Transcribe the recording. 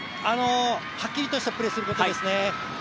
はっきりとしたプレーすることですね。